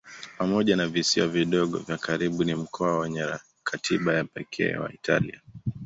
Pamoja na visiwa vidogo vya karibu ni mkoa wenye katiba ya pekee wa Italia.